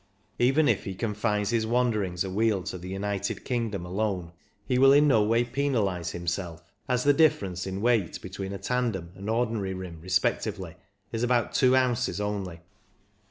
Even if he con fines his wanderings awheel to the United Kingdom alone, he will in no way penalise himself, as the difference in weight between a tandem and ordinary rim respectively is about two ounces only.